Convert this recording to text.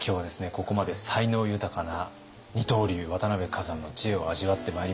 ここまで才能豊かな二刀流渡辺崋山の知恵を味わってまいりました。